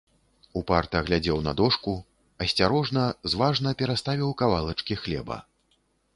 Упарта глядзеў на дошку, асцярожна, зважна пераставіў кавалачкі хлеба.